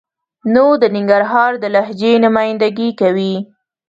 نو د ننګرهار د لهجې نماینده ګي کوي.